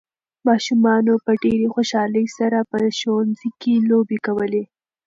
ماشومانو په ډېرې خوشالۍ سره په ښوونځي کې لوبې کولې.